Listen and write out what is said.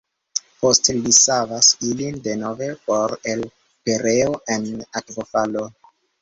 Poste li savas ilin denove for el pereo en akvofalo.